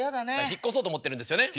引っ越そうと思ってるんですよね。